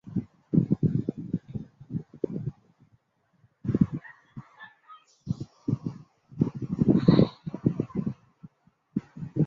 সে রাস্তা দুর্গম বলেই আমার মনকে টেনেছিল।